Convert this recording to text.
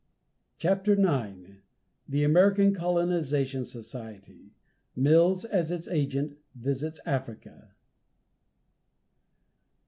CHAPTER IX. THE AMERICAN COLONIZATION SOCIETY MILLS, AS ITS AGENT, VISITS AFRICA.